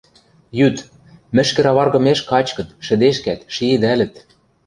Йӱт, мӹшкӹр аваргымеш качкыт, шӹдешкӓт, шиэдӓлӹт.